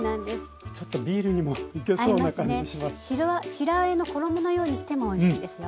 しらあえの衣のようにしてもおいしいですよ。